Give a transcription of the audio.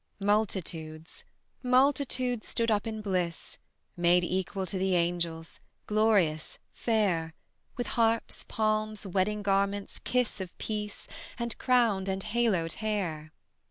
Multitudes multitudes stood up in bliss, Made equal to the angels, glorious, fair; With harps, palms, wedding garments, kiss of peace, And crowned and haloed hair.